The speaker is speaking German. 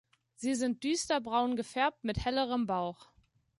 Sie sind düster braun gefärbt mit hellerem Bauch.